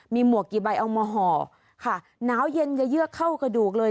มีหมวกกี่ใบเอามาห่อค่ะหนาวเย็นอย่าเยือกเข้ากระดูกเลย